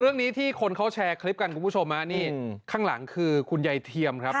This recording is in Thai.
เรื่องนี้ที่คนเขาแชร์คลิปกันคุณผู้ชมฮะนี่ข้างหลังคือคุณยายเทียมครับ